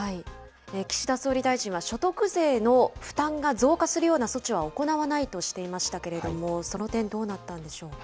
岸田総理大臣は、所得税の負担が増加するような措置は行わないとしていましたけれども、その点、どうなったんでしょうか。